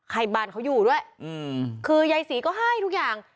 ให้บ้านเขาอยู่ด้วยคือยายศรีก็ให้ทุกอย่าง